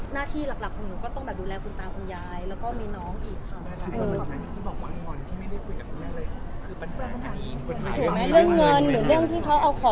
หน้าที่หลักของหนูก็ต้องแบบดูแลคุณตาคุณยายแล้วก็มีน้องอีกค่ะ